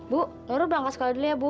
bu nurul udah angkat sekolah dulu ya bu